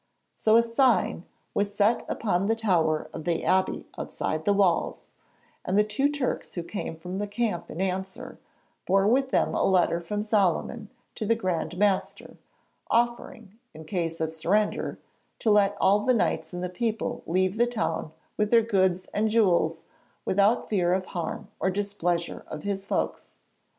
So a 'sign' was set upon the tower of the abbey outside the walls, and the two Turks who came from the camp in answer bore with them a letter from Solyman to the Grand Master, offering, in case of surrender, to let all the Knights and the people leave the town with their 'goods and jewels without fear of harm or displeasure of his folks.